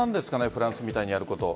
フランスみたいにやること。